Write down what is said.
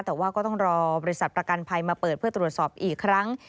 แต่ว่าก็ต้องรอบริษัทประกันภัยมาเปิดเพื่อตรวจสอบอีกครั้ง